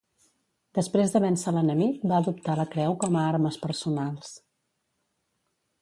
Després de vèncer l'enemic, va adoptar la creu com a armes personals.